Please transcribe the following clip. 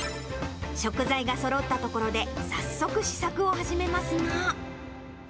食材がそろったところで、早速試作を始めますが。